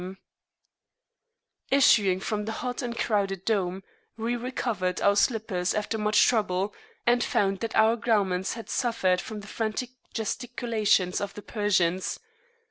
42] Issuing from the hot and crowded dome, we recovered our slippers after much trouble, and found that our garments had suffered from the frantic gesticulations of the Persians.